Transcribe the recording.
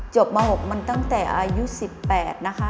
ม๖มันตั้งแต่อายุ๑๘นะคะ